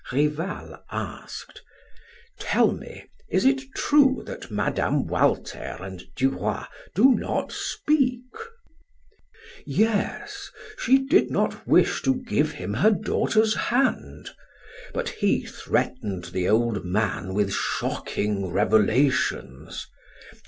Rival asked: "Tell me, is it true that Mme. Walter and Du Roy do not speak?" "Yes. She did not wish to give him her daughter's hand. But he threatened the old man with shocking revelations.